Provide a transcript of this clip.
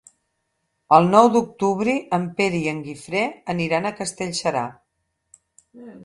El nou d'octubre en Pere i en Guifré aniran a Castellserà.